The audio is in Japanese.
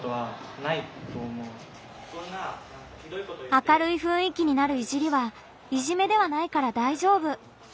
「明るいふんい気になるいじりはいじめではないから大丈夫」。